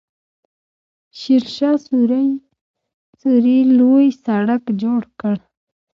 شیرشاه سوري لوی سړک جوړ کړ.